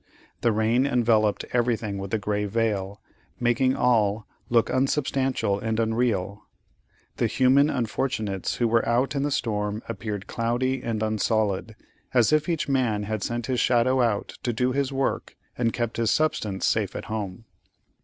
The rain enveloped everything with a grey veil, making all look unsubstantial and unreal; the human unfortunates who were out in the storm appeared cloudy and unsolid, as if each man had sent his shadow out to do his work and kept his substance safe at home.